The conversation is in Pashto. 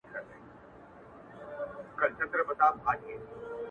ګوښه پروت وو د مېږیانو له آزاره.!